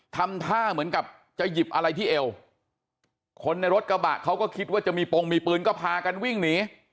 ทำท่าเหมือนกับจะหยิบอะไรที่เอวคนในรถกระบะเขาก็คิดว่าจะมีโปรงมีปืนก็พากันวิ่งหนี